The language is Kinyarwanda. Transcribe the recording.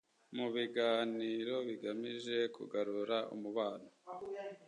mu biganiro bigamije kugarura umubano